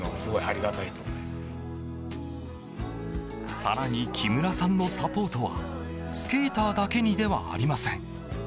更に木村さんのサポートはスケーターだけにではありません。